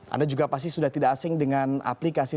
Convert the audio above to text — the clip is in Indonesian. anda juga pasti sudah tidak asing dengan aplikasi